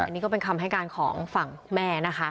อันนี้ก็เป็นคำให้การของฝั่งแม่นะคะ